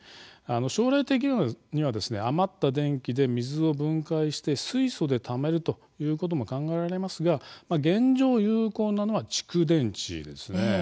将来的には余った電気で水を分解して水素でためるということも考えられますが現状、有効なのが蓄電池ですね。